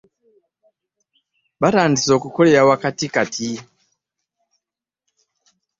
Batandise kukolera waka kati.